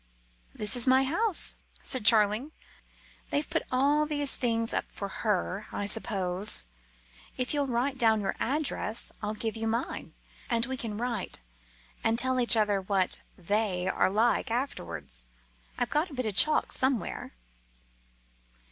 "This is my house," said Charling. "They've put all these things up for her, I suppose. If you'll write down your address I'll give you mine, and we can write and tell each other what they are like afterwards. I've got a bit of chalk somewhere."